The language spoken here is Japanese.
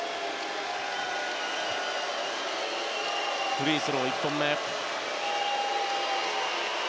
フリースロー１本目。